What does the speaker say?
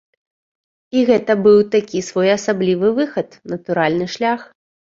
І гэта быў такі своеасаблівы выхад, натуральны шлях.